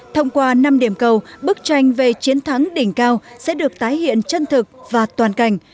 thông qua năm điểm cầu bức tranh về chiến thắng đỉnh cao sẽ được tái hiện chân thực và toàn cảnh